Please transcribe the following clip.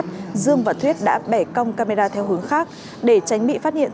tuy nhiên dương và thuyết đã bẻ cong camera theo hướng khác để tránh bị phát hiện